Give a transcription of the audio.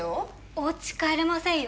おうち帰れませんよ